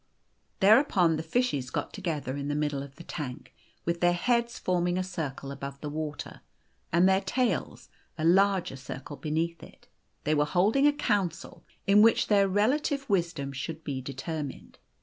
Thereupon the fishes got together in the middle of the tank, with their heads forming a circle above the water, and their tails a larger circle beneath it. They were holding a council, in which their relative wisdom should be determined.